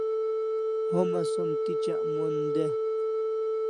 Homa som tichak mon de